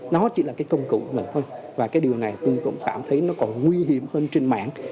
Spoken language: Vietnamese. nó chỉ là công cụ của mình thôi và điều này tôi cũng cảm thấy còn nguy hiểm hơn trên mạng